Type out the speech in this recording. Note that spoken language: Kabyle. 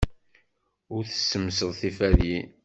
Ur tessemsed tiferyin.